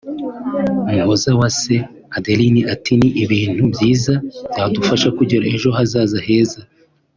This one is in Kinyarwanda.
Muhozawase Adeline ati “Ni ibintu byiza byadufasha kugira ejo hazaza heza